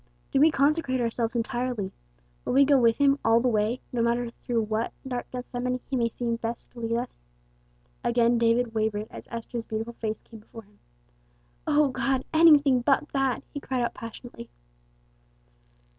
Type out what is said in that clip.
Do we consecrate ourselves entirely? Will we go with him all the way, no matter through what dark Gethsemane he may see best to lead us?" Again David wavered as Esther's beautiful face came before him. "O God! anything but that!" he cried out passionately.